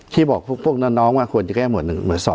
ที่บอกพวกน้องว่าควรจะแก้หมวด๑หมวด๒